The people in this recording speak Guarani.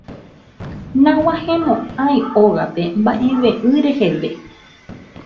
Nag̃uahẽmo'ãi ógape mba'eve'ỹ reheve.